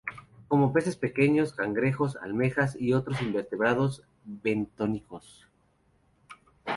Come peces pequeños, cangrejos, almejas y otros invertebrados bentónicos.